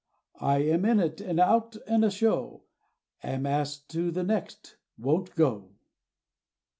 I am in it! and out, and a show! Am asked to the next, won't go!